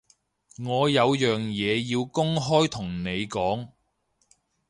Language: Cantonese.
我有樣嘢要公開同你講